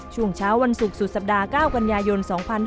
ช่วงเช้าวันศุกร์สุดสัปดาห์๙กันยายน๒๕๕๙